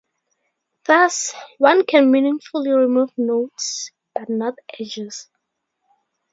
Thus, one can meaningfully remove nodes, but not edges.